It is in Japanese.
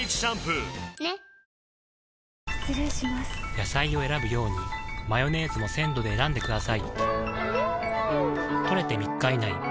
野菜を選ぶようにマヨネーズも鮮度で選んでくださいん！